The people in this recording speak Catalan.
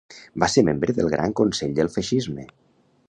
Va ser membre del Gran Consell del Feixisme.